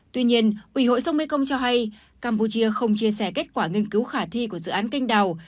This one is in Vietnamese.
tuy nhiên ủy hội sông mekong cho hay campuchia không chia sẻ kết quả nghiên cứu khả thi của dự án canh đào